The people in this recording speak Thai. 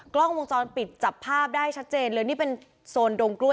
กล้องวงจรปิดจับภาพได้ชัดเจนเลยนี่เป็นโซนดงกล้วย